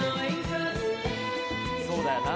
そうだよな